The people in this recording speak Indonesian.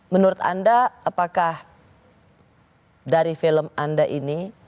menurut anda apakah dari film anda ini